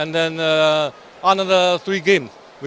dan kemudian tiga game lagi